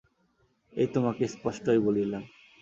এই তোমাকে স্পষ্টই বলিলাম।